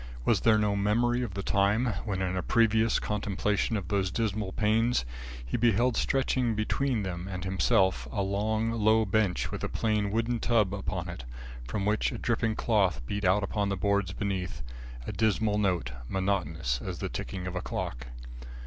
Was there no memory of the time when, in a previous contemplation of those dismal panes, he beheld stretching between them and himself, a long, low bench with a plain wooden tub upon it, from which a dripping cloth beat out upon the boards beneath a dismal note, monotonous as the ticking of a clock?